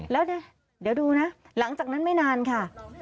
แล้วเดี๋ยวดูนะหลังจากนั้นไม่นานค่ะ